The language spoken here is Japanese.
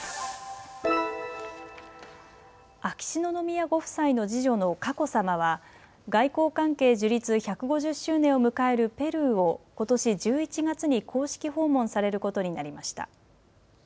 秋篠宮ご夫妻の次女の佳子さまは、外交関係樹立１５０周年を迎えるペルーを、ことし１１月に公式訪問されることになりました。